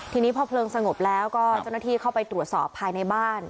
ทีนี้พอเพลิงสงบแล้วก็เจ้าหน้าที่เข้าไปตรวจสอบภายในบ้าน